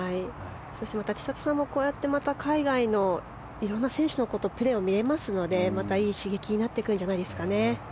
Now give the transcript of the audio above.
そして、また千怜さんもこうやってまた海外の色んな選手のことプレーを見れますのでいい刺激になってくるんじゃないですかね。